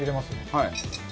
はい。